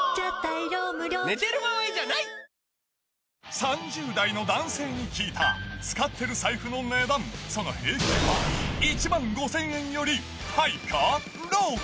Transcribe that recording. ３０代の男性に聞いた、使っている財布の値段、その平均は、１万５０００円よりハイか？